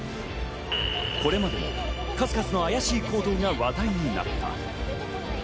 これまでも数々のあやしい行動が話題になった。